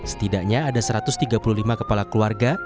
setidaknya ada satu ratus tiga puluh lima kepala keluarga